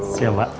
selamat siang pak